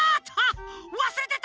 わすれてた！